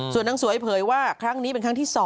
ส่วนนางสวยเผยว่าครั้งนี้เป็นครั้งที่๒